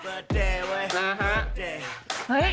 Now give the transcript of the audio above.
นะฮะ